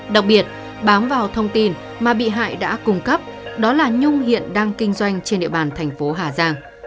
đặc biệt bám vào thông tin mà bị hại đã cung cấp đó là nhung hiện đang kinh doanh trên địa bàn thành phố hà giang